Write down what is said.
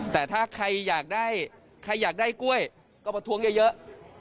แต่ถ้าใครอยากได้กล้วยก็ประทรวงเยอะ